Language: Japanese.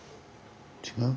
違う？